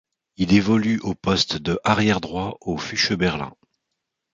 Il évolue au poste de arrière droit au Füchse Berlin.